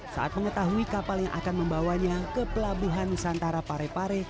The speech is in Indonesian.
saat mengetahui kapal yang akan membawanya ke pelabuhan nusantara parepare